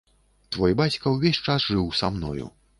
Твой бацька ўвесь час жыў са мною.